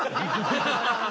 ハハハハ！